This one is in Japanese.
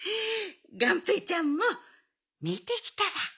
がんぺーちゃんもみてきたら？